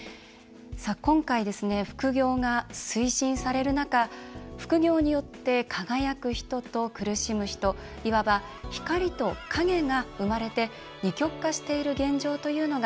今回、副業が推進される中副業によって輝く人と苦しむ人いわば光と影が生まれて二極化している現状というのが見えてきました。